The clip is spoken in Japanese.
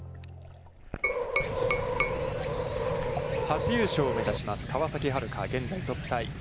初優勝を目指します川崎春花、現在トップタイ。